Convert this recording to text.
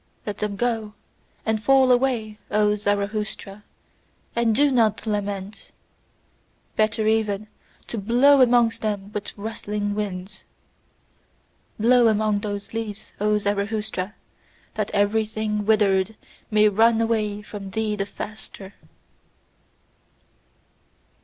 Let them go and fall away, O Zarathustra, and do not lament! Better even to blow amongst them with rustling winds, Blow amongst those leaves, O Zarathustra, that everything WITHERED may run away from thee the faster!